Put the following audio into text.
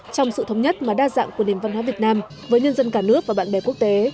trong sự thống nhất mà đa dạng của nền văn hóa việt nam với nhân dân cả nước và bạn bè quốc tế